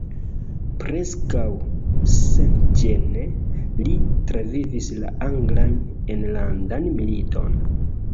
Preskaŭ senĝene li travivis la anglan enlandan militon.